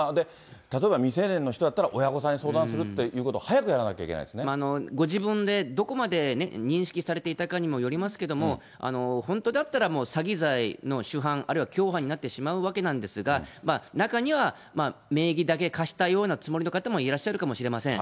例えば未成年の人だったら親御さんに相談するっていうことを早くご自分で、どこまで認識されていたかにもよりますけれども、本当だったら詐欺罪の主犯、あるいは共犯になってしまうわけなんですが、中には名義だけ貸したようなつもりの方もいらっしゃるかもしれません。